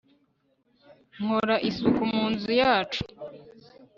nkora isuku mu nzu yacu